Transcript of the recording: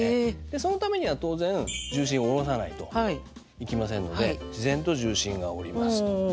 そのためには当然重心下ろさないといきませんので自然と重心が下ります。